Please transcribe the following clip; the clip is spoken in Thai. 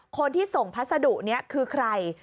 คนที่ส่งพัสดุนี้คือใคร